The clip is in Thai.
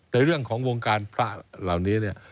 ในเรื่องของวงการพระเหล่านี้เนี่ย